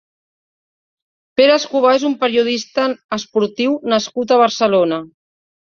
Pere Escobar és un periodista esportiu nascut a Barcelona.